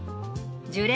樹齢